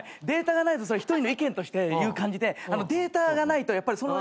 データがないと一人の意見として言う感じでデータがないとやっぱり。